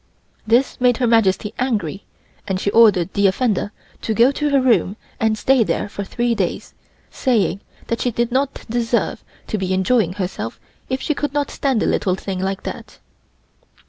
This made Her Majesty angry and she ordered the offender to go to her room and stay there for three days, saying that she did not deserve to be enjoying herself if she could not stand a little thing like that.